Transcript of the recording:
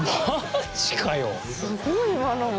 すごい今のも。